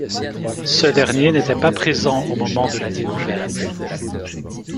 Ce dernier n'était pas présent au moment de la découverte.